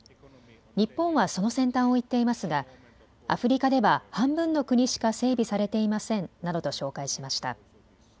日本はその先端を行っていますがアフリカでは半分の国しか整備されていませんなどと紹介しました。